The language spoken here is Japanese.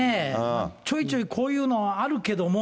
ちょいちょいこういうのはあるけども、